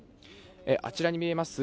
あちらに見えます